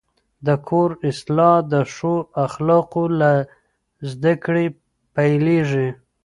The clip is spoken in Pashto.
د کور اصلاح د ښو اخلاقو له زده کړې پیلېږي.